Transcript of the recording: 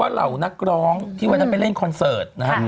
เหล่านักร้องที่วันนั้นไปเล่นคอนเสิร์ตนะฮะ